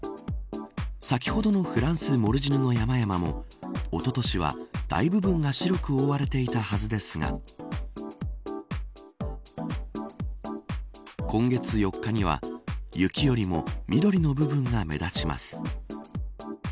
先ほどのフランスモルジヌの山々もおととしは大部分が白く覆われていたはずですが今月４日には雪よりも緑の部分が目立ちます。